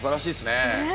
ねえ。